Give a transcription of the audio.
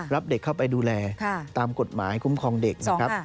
รับเด็กเข้าไปดูแลตามกฎหมายคุ้มครองเด็กนะครับ